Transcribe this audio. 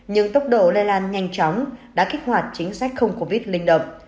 nhưng tốc độ lây lan nhanh chóng đã kích hoạt chính sách không covid linh động